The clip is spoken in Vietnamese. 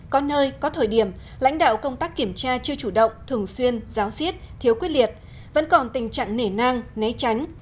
có nơi có thời điểm lãnh đạo công tác kiểm tra chưa chủ động thường xuyên giáo xiết thiếu quyết liệt vẫn còn tình trạng nể nang né tránh